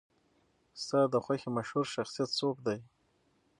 ستا د خوښې مشهور شخصیت څوک دی؟